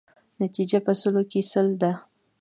نتیجه په سلو کې سل ده.